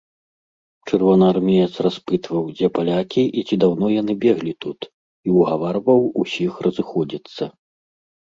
Чырвонаармеец распытваў, дзе палякі і ці даўно яны беглі тут, і ўгаварваў усіх разыходзіцца.